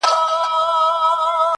• د خپل استاد ارواښاد محمد صدیق روهي -